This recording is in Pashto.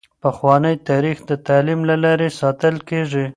پخوانی تاریخ د تعلیم له لارې ساتل کیږي.